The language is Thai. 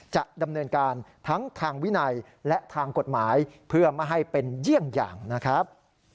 จะดำเนินการทั้งทางวินัยและทางกฎหมายเพื่อไม่ให้เป็นเยี่ยงอย่างนะครับ